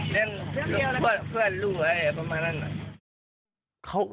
เพื่อนลูกแบบนี้